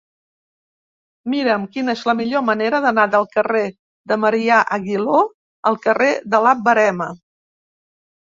Mira'm quina és la millor manera d'anar del carrer de Marià Aguiló al carrer de la Verema.